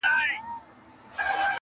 موږ به کله برابر سو له سیالانو،